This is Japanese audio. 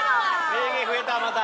名言増えたまた。